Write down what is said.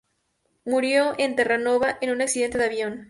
Murió en Terranova en un accidente de avión.